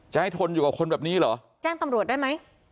ให้ทนอยู่กับคนแบบนี้เหรอแจ้งตำรวจได้ไหม